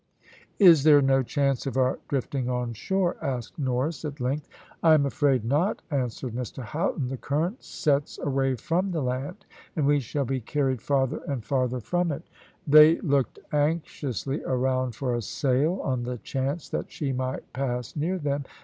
"Is there no chance of our drifting on shore?" asked Norris at length. "I am afraid not," answered Mr Houghton. "The current sets away from the land, and we shall be carried farther and farther from it." They looked anxiously around for a sail, on the chance that she might pass near them.